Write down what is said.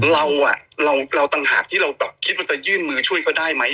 เราต่างหากที่เราคิดว่าจะยื่นมือช่วยเขาได้ไหม